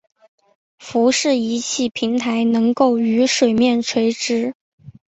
浮式仪器平台能够与水面垂直。